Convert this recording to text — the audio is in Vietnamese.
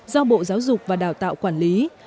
do bộ giáo dục và đào tạo quản lý